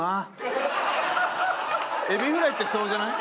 エビフライってそうじゃない？